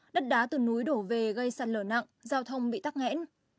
đất đá từ núi đổ về gây sạt lở nặng giao thông bị tắc nghẽn